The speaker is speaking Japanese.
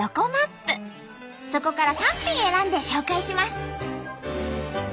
そこから３品選んで紹介します。